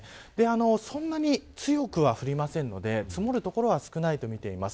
そんなに強くは降りませんので積もる所は少ないとみています。